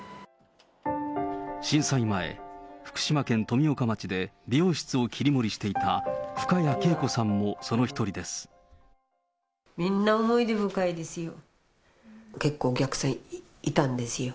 震災前、福島県富岡町で美容室を切り盛りしていた深谷敬子さんもその一人みんな思い出深いですよ。